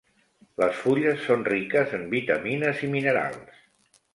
Les fulles són riques en vitamines i minerals.